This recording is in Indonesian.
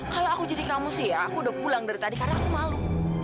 kalau aku jadi kamu sih ya aku udah pulang dari tadi karena aku malu